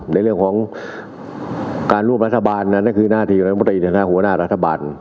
ในเรื่องของการร่วมรัฐบาลนั้นนั่นคือหน้าที่รัฐมนตรีในหน้าหัวหน้ารัฐบาล